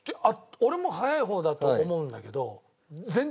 俺も早い方だと思うんだけど。